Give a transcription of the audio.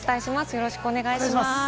よろしくお願いします。